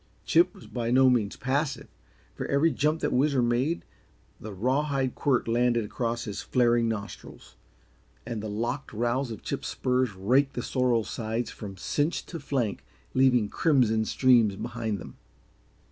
Chip was by no means passive. For every jump that Whizzer made the rawhide quirt landed across his flaring nostrils, and the locked rowels of Chip's spurs raked the sorrel sides from cinch to flank, leaving crimson streams behind them.